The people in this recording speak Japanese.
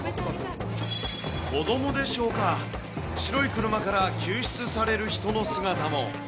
子どもでしょうか、白い車から救出される人の姿も。